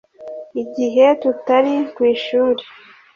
igihe tutari kwi shuri